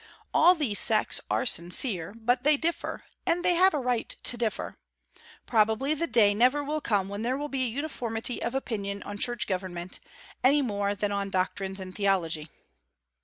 All these sects are sincere; but they differ, and they have a right to differ. Probably the day never will come when there will be uniformity of opinion on church government, any more than on doctrines in theology.